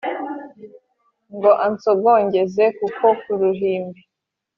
ngo ansogongeze ku ko ku ruhimbi,